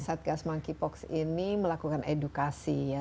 satgas monkeypox ini melakukan edukasi ya